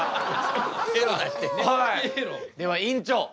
では院長